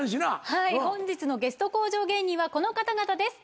はい本日のゲスト向上芸人はこの方々です